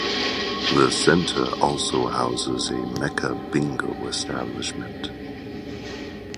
The centre also houses a Mecca Bingo establishment.